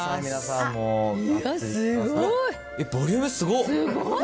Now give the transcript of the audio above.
いや、ボリュームすごっ。